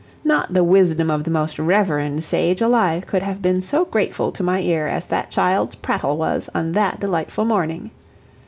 Not the wisdom of the most reverend sage alive could have been so grateful to my ear as that child's prattle was on that delightful morning.